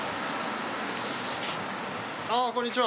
あこんにちは。